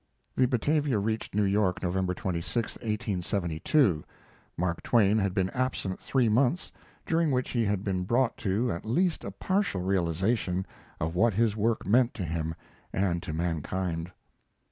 The Batavia reached New York November 26, 1872. Mark Twain had been absent three months, during which he had been brought to at least a partial realization of what his work meant to him and to mankind.